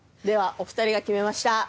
ではお二人が決めました